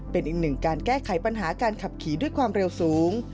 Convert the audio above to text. เป็นอีกหนึ่งการแก้ไขปัญหาการขับขี่ด้วยความเร็วสูง